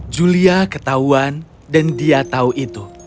julia ketahuan dan dia tahu itu